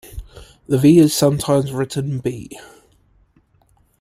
The "V" is sometimes written "B".